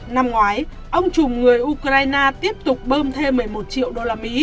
năm ngoái ông chùm người ukraine tiếp tục bơm thêm một mươi một triệu usd